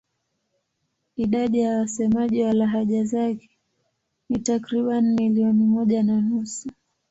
Idadi ya wasemaji wa lahaja zake ni takriban milioni moja na nusu.